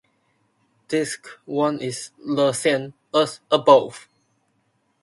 Disc one is the same as above.